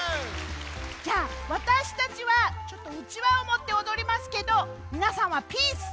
じゃあわたしたちはうちわをもっておどりますけどみなさんはピース！